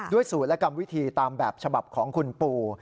สูตรและกรรมวิธีตามแบบฉบับของคุณปู่